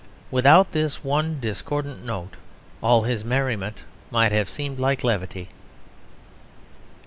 Without this one discordant note all his merriment might have seemed like levity.